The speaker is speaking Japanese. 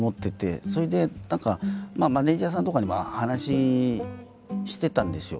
それで何かマネージャーさんとかにも話してたんですよ。